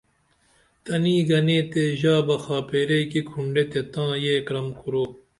تنی گنی تے ژا بہ خاپیرئی کی کھنڈے تے تاں یے کرم کورو